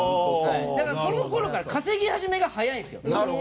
そのころから稼ぎ始めが早いんです。